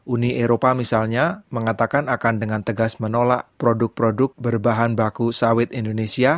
uni eropa misalnya mengatakan akan dengan tegas menolak produk produk berbahan baku sawit indonesia